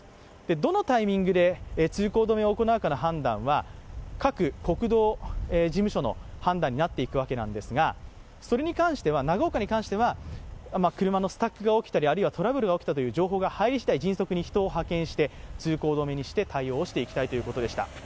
どのタイミングで通行止めを行うかの判断は、各国道事務所の判断になっていくわけですがそれに関しては、長岡に関しては車のスタックが起きたり、あるいはトラブルが起きたという情報が入りしだい、迅速に人を派遣して通行止めにして対応していきたいということでした。